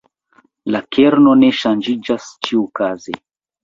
La kerno ne ŝanĝiĝas ĉiukaze.